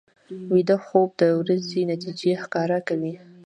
ویده خوب د ورځې نتیجې ښکاره کوي